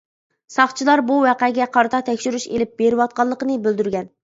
ساقچىلار بۇ ۋەقەگە قارىتا تەكشۈرۈش ئېلىپ بېرىۋاتقانلىقىنى بىلدۈرگەن.